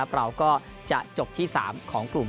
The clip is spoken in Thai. เราก็จะจบที่๓ของกลุ่ม